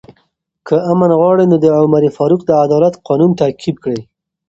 که امن غواړئ، نو د عمر فاروق د عدالت قانون تعقیب کړئ.